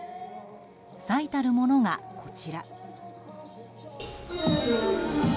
最たるものが、こちら。